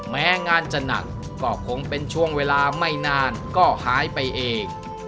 แม้งานจะหนักก็คงเป็นช่วงเวลาไม่นานก็หายไปเอง